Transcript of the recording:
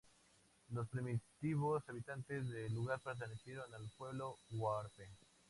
Los primitivos habitantes del lugar pertenecieron al pueblo huarpe.